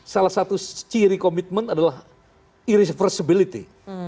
salah satu ciri komitmen adalah irreversibility